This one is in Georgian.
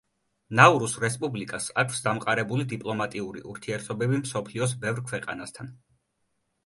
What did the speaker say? ნაურუს რესპუბლიკას აქვს დამყარებული დიპლომატიური ურთიერთობები მსოფლიოს ბევრ ქვეყანასთან.